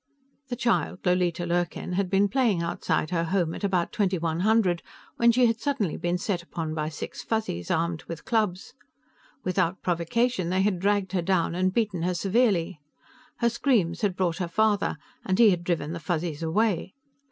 The child, Lolita Lurkin, had been playing outside her home at about twenty one hundred when she had suddenly been set upon by six Fuzzies, armed with clubs. Without provocation, they had dragged her down and beaten her severely. Her screams had brought her father, and he had driven the Fuzzies away.